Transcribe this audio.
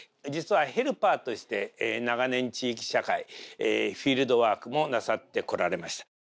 実はヘルパーとして長年地域社会フィールドワークもなさってこられました。